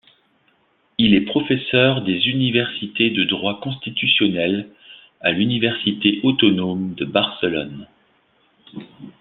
Il est professeur des universités de droit constitutionnel à l'Université autonome de Barcelone.